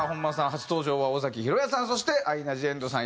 初登場は尾崎裕哉さんそしてアイナ・ジ・エンドさん